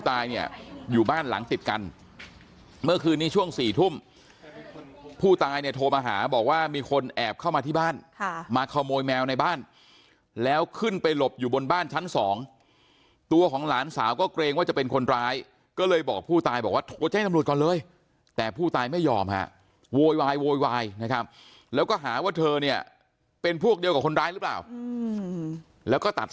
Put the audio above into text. ตายเนี่ยอยู่บ้านหลังติดกันเมื่อคืนนี้ช่วง๔ทุ่มผู้ตายเนี่ยโทรมาหาบอกว่ามีคนแอบเข้ามาที่บ้านมาขโมยแมวในบ้านแล้วขึ้นไปหลบอยู่บนบ้านชั้นสองตัวของหลานสาวก็เกรงว่าจะเป็นคนร้ายก็เลยบอกผู้ตายบอกว่าโทรแจ้งตำรวจก่อนเลยแต่ผู้ตายไม่ยอมฮะโวยวายโวยวายนะครับแล้วก็หาว่าเธอเนี่ยเป็นพวกเดียวกับคนร้ายหรือเปล่าแล้วก็ตัด